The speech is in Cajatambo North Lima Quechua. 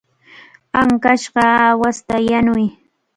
Ankashqa aawasta yanuy.